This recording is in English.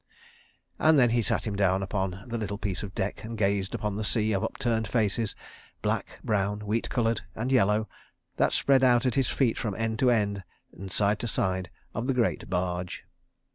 And then he sat him down upon the little piece of deck and gazed upon the sea of upturned faces, black, brown, wheat coloured, and yellow, that spread out at his feet from end to end and side to side of the great barge.